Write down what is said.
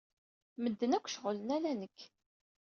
Medden akk ceɣlen, ala nekk.